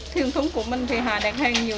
thuyền thống của mình thì họ đạt hàng nhiều